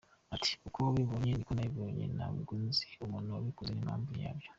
Ati “Uko wabibonye niko nabibonye, ntabwo nzi umuntu wabikoze n’impamvu yabyo.